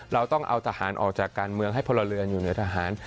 เราต้องเอาทหารออกจากการเมืองให้พลเรือนอยู่เหนือทหาร